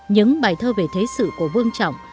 những bài thơ về thế sự của vương trọng